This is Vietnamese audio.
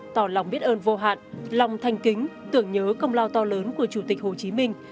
tỏ lòng biết ơn vô hạn lòng thanh kính tưởng nhớ công lao to lớn của chủ tịch hồ chí minh